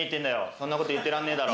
そんな事言ってらんねえだろ。